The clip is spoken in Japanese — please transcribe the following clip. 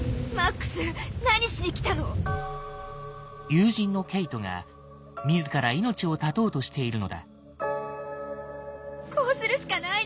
友人のケイトが自ら命を絶とうとしているのだ。